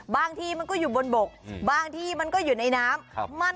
บางทีมันก็อยู่บนบกบางทีมันก็อยู่ในน้ำ